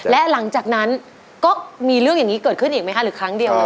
และหลังจากนั้นก็มีเรื่องอย่างนี้เกิดขึ้นอีกไหมคะหรือครั้งเดียว